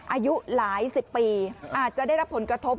อายุหลายสิบปีอาจจะได้รับผลกระทบ